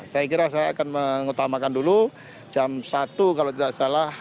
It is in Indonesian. saya kira saya akan mengutamakan dulu jam satu kalau tidak salah